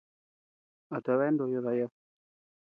¿A tabea ndoyo dayad?